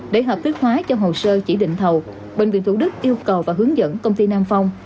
để hợp thức hóa cho hồ sơ chỉ định thầu bệnh viện thủ đức yêu cầu và hướng dẫn công ty nam phong